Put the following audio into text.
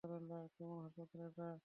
কেমন হাসপাতাল এটা?